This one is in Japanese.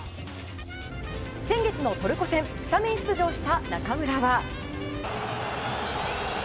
先月のトルコ戦スタメン出場した中村は。